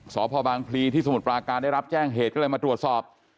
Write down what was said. สพบางพลีที่สมุทรปราการได้รับแจ้งเหตุก็เลยมาตรวจสอบ